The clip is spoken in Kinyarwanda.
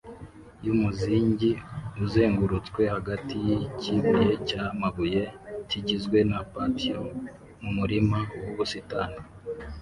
yumuzingi uzengurutswe hagati yikibuye cyamabuye kigizwe na patio mumurima wubusitani.